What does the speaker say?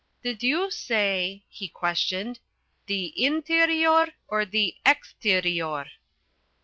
"Did you say," he questioned, "the _in_terior or the _ex_terior?"